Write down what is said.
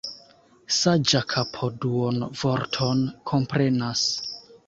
Saĝa kapo duonvorton komprenas.